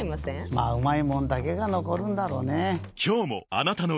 まぁうまいもんだけが残るんだろうねぇ。